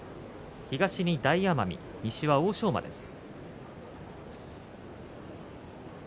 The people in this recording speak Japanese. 東に大奄美、西は欧勝馬です。